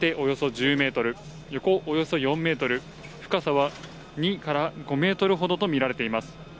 陥没でできた穴は縦およそ１０ｍ、横およそ４ｍ、深さは２から５ｍほどとみられています。